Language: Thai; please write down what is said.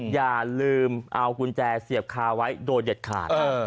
อย่าลืมเอากุญแจเสียบคาไว้โดยเด็ดขาด